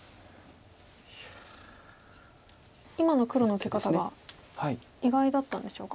今の黒の受け方は意外だったんでしょうか。